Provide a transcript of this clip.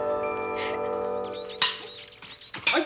はい。